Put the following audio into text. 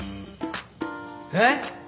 えっ！